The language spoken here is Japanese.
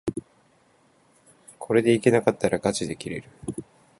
これでいけなかったらがちで切れる